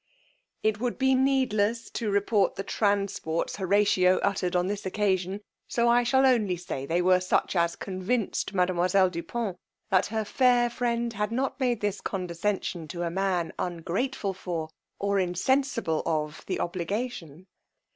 It would be needless to repeat the transports Horatio uttered on this occasion, so I shall only say they were such as convinced mademoiselle du Pont, that her fair friend had not made this condescension to a man ungrateful for, or insensible of the obligation.